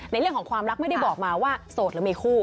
ในเรื่องของความรักไม่ได้บอกมาว่าโสดหรือมีคู่